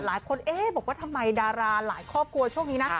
หลายคนเอ๊ะบอกว่าทำไมดาราหลายครอบครัวช่วงนี้นะ